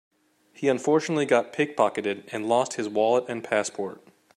He unfortunately got pick-pocketed and lost his wallet and passport.